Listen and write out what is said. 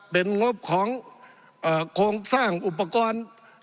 เป็นงบของโครงสร้างอุปกรณ์